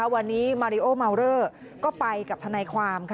วันนี้มาริโอมาวเรอก็ไปกับทนายความ